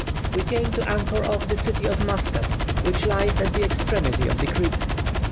We came to anchor off the town of Muscat, which lies at the extremity of the creek.